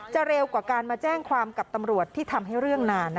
เร็วกว่าการมาแจ้งความกับตำรวจที่ทำให้เรื่องนาน